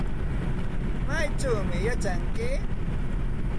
¿Maychawmi yachanki?